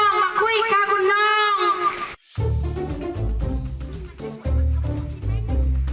เพื่อนรับทราบ